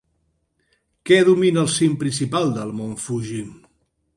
Què domina el cim principal del mont Fuji?